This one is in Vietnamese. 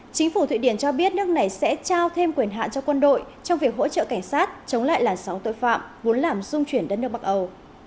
chính phủ thụy điển cho biết nước này sẽ trao thêm quyền hạn cho quân đội trong việc hỗ trợ cảnh sát chống lại làn sóng tội phạm muốn làm dung chuyển đất nước bắc âu